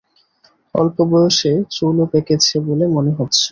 অল্প বয়সে চুলও পেঁকেছে বলে মনে হচ্ছে।